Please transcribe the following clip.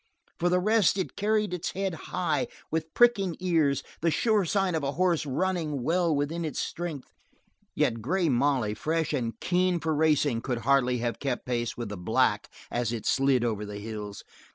For the rest, it carried its head high, with pricking ears, the sure sign of a horse running well within his strength, yet Grey Molly, fresh and keen for racing, could hardly have kept pace with the black as it slid over the hills.